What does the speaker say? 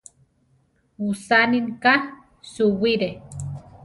Usaninika suwire.